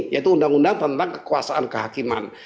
yaitu undang undang tentang kekuasaan kehakiman